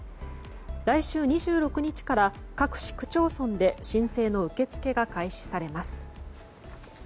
来週２６日から各市区町村で申請の受け付けが開始されます。